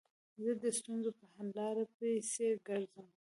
زه د ستونزو په حل لارو پيسي ګرځم.